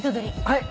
はい！